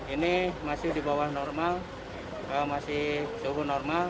ini masih di bawah normal masih suhu normal